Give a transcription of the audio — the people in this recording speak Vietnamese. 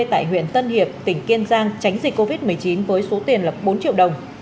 tại huyện tân hiệp tỉnh kiên giang tránh dịch covid một mươi chín với số tiền lập bốn triệu đồng